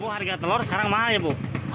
bu harga telur sekarang mahal ya bu